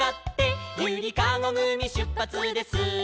「ゆりかごぐみしゅっぱつです」